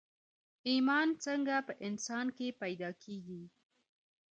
ايمان څنګه په انسان کې پيدا کېږي